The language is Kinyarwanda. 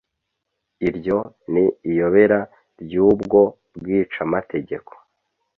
iryo ni iyobera ry'ubwo bwicamategeko